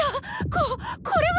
ここれは。